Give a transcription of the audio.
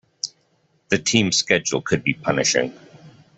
The team's schedule could be punishing.